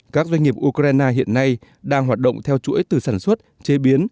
các doanh nghiệp ukraine hiện nay đang hoạt động theo chuỗi từ sản xuất chế biến